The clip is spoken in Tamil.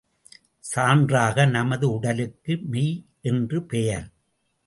சான்றாக நமது உடலுக்கு மெய் என்று பெயர்.